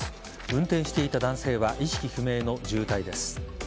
運転していた男性は意識不明の重体です。